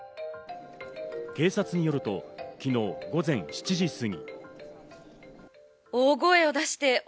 警察によると昨日午前７時過ぎ。